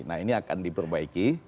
nah ini akan diperbaiki